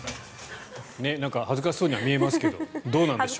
なんか恥ずかしそうには見えますが、どうなんでしょう。